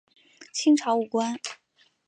清朝武官。